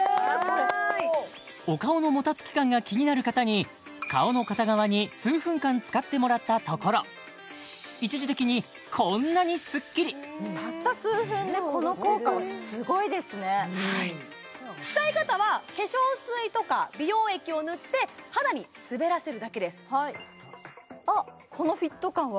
お顔のもたつき感が気になる方に顔の片側に数分間使ってもらったところ一時的にこんなにスッキリたった数分でこの効果はすごいですねはい使い方は化粧水とか美容液を塗って肌にすべらせるだけですあっ！